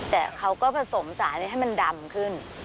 แต่เขาก็ผสมสารให้มันดำขึ้น